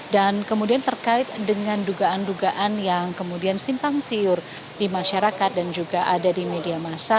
dan kemudian terkait dengan dugaan dugaan yang kemudian simpang siur di masyarakat dan juga ada di media masa